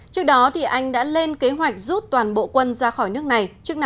trước đó anh đã lên kế hoạch rút toàn bộ quân ra khỏi nước này trước năm hai nghìn hai